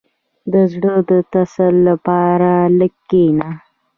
• د زړۀ د تسل لپاره لږ کښېنه.